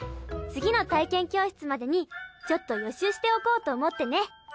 次の体験教室までにちょっと予習しておこうと思ってね。